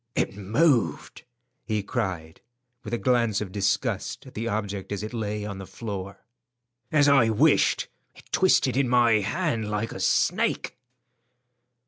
"It moved," he cried, with a glance of disgust at the object as it lay on the floor. "As I wished, it twisted in my hand like a snake."